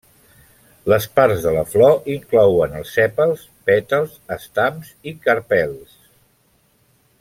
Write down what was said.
Les parts de la flor inclouen els sèpals, pètals, estams i carpels.